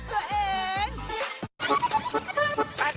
เจ้าแจ๊ะริมจอ